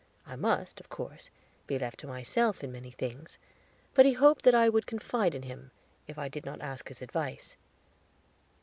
I must, of course, be left to myself in many things; but he hoped that I would confide in him, if I did not ask his advice.